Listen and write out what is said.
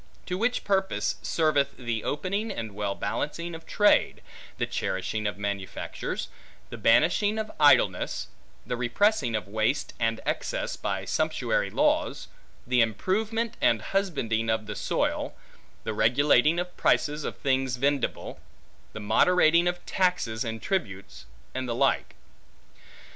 To which purpose serveth the opening, and well balancing of trade; the cherishing of manufactures; the banishing of idleness; the repressing of waste, and excess, by sumptuary laws; the improvement and husbanding of the soil; the regulating of prices of things vendible; the moderating of taxes and tributes; and the like.